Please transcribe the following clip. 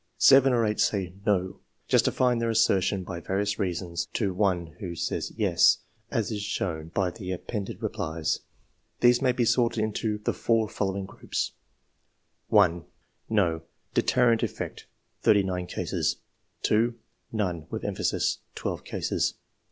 Seven or eight say " no," justifying their assertion by various reasons, to one who says " yes," as is shown by the appended replies. These may be sorted into the four following groups :— (1) "No" deterrent effect— 39 cases. (2) 136 ENGLISH MEN OF SCIENCE. [chap. ''None," with emphasis — 12 cases.